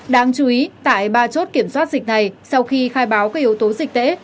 đáng chú ý tại ba chốt kiểm soát dịch này sau khi khai báo các yếu tố dịch tễ